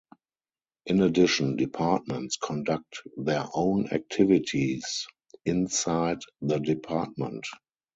In addition, departments conduct their own activities inside the department.